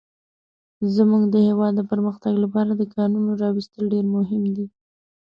زموږ د هيواد د پرمختګ لپاره د کانونو راويستل ډير مهم دي.